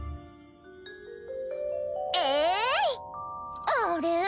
えいあれ？